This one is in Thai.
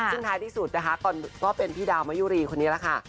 ซึ่งท้ายที่สุดนะคะก็เป็นพี่ดาวมะยุรีคนนี้แหละค่ะ